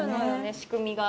仕組みが。